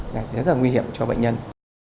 rất là nguy hiểm cho bệnh nhân